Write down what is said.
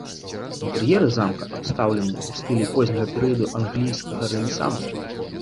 Інтэр'еры замка абстаўлены ў стылі позняга перыяду англійскага рэнесансу.